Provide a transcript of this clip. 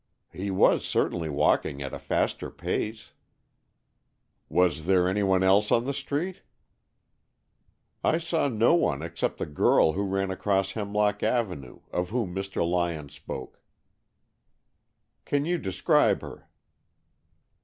"He was certainly walking at a faster pace." "Was there any one else on the street?" "I saw no one except the girl who ran across Hemlock Avenue, of whom Mr. Lyon spoke." "Can you describe her?"